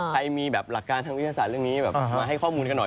ใครมีแบบหลักการทางวิทยาศาสตร์เรื่องนี้แบบมาให้ข้อมูลกันหน่อย